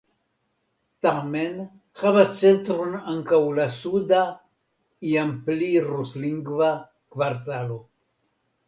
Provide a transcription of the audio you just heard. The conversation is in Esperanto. Tamen havas centron ankaŭ la suda (iam pli ruslingva) kvartalo.